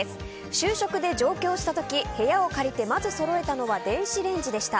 就職で上京した時、部屋を借りてまずそろえたのは電子レンジでした。